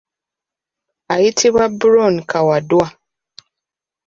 Ayitibwa Byron Kawadwa .